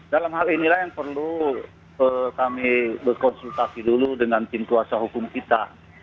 dalam hal inilah yang perlu kami berkonsultasi dulu dengan tim kuasa hukum kita